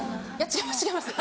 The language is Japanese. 違います